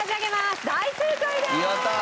大正解です！